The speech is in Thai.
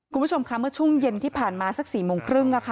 คุณผู้ชมค่ะเมื่อช่วงเย็นที่ผ่านมาสัก๔โมงครึ่ง